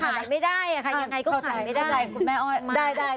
มันขายไม่ได้อะค่ะยังไงก็ขายไม่ได้คุณแม่อ้อย